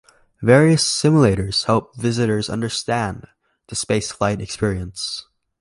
Various simulators help visitors understand the spaceflight experience.